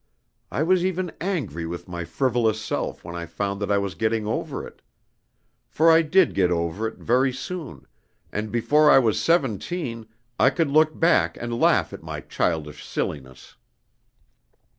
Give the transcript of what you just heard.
I was even angry with my frivolous self when I found that I was getting over it. For I did get over it very soon, and before I was seventeen I could look back and laugh at my childish silliness.